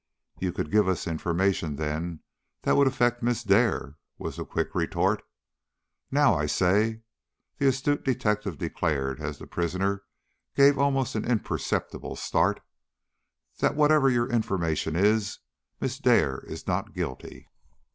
"You could give us information, then, that would affect Miss Dare?" was the quick retort. "Now, I say," the astute detective declared, as the prisoner gave an almost imperceptible start, "that whatever your information is, Miss Dare is not guilty."